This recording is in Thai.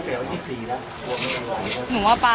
มันเป็นแบบที่สุดท้ายแต่มันเป็นแบบที่สุดท้าย